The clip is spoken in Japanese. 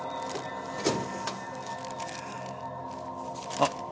あっ！